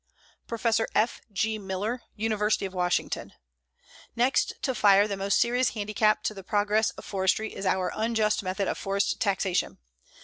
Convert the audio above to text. PROFESSOR F. G. MILLER, University of Washington: Next to fire the most serious handicap to the progress of forestry is our unjust method of forest taxation.